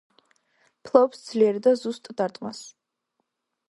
ფლობს ძლიერ და ზუსტ დარტყმას.